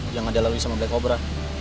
jangan dilalui sama black obra